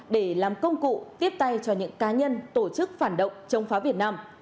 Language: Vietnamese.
để làm công cụ tiếp tay cho những cá nhân tổ chức phản động chống phá việt nam